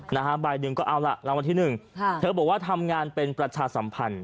นะฮะใบหนึ่งก็เอาล่ะรางวัลที่หนึ่งค่ะเธอบอกว่าทำงานเป็นประชาสัมพันธ์